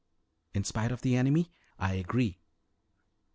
"In spite of the enemy? I agree."